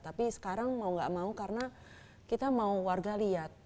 tapi sekarang mau gak mau karena kita mau warga lihat